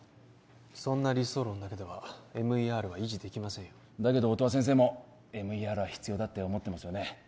そんな理想論だけではＭＥＲは維持できませんよだけど音羽先生もＭＥＲは必要だって思ってますよね